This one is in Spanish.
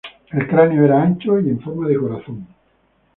El cráneo era ancho y en forma de corazón.